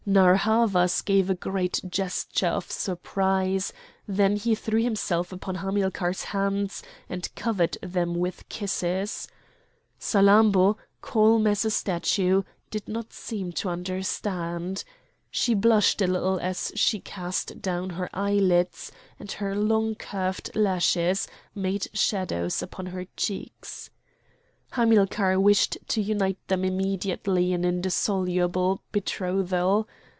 Narr' Havas gave a great gesture of surprise; then he threw himself upon Hamilcar's hands and covered them with kisses. Salammbô, calm as a statue, did not seem to understand. She blushed a little as she cast down her eyelids, and her long curved lashes made shadows upon her cheeks. Hamilcar wished to unite them immediately in indissoluble betrothal.